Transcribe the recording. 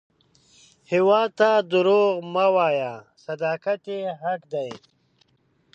هیواد ته دروغ مه وایه، صداقت یې حق دی